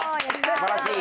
すばらしい！